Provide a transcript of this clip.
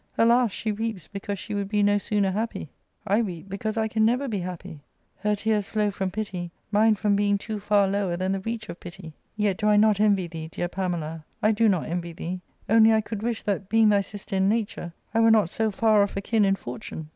Alas ! she weeps because she would be no sooner happy : I weep because I ARCADIA.—Book IL 145 can never be happy ; her tears flow from pity, mine from being too far lower than the reach of pity. Yet do I not envy thee, dear Pamela, I do not envy thee ; only I could wish that, being" thy sister in nature, I were not so far off akin in fortune."